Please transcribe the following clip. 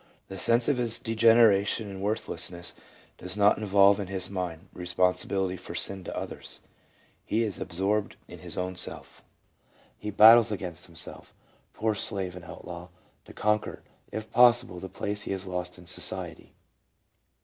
The sense of his degradation and worth lessness does not involve in his mind responsibility for sin to others ; he is absorbed in his own self. He battles against himself, poor slave and outlaw, to conquer, if possible, the place he has lost in society.